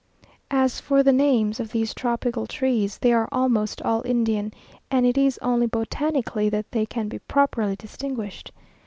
As for the names of these tropical trees, they are almost all Indian, and it is only botanically that they can be properly distinguished.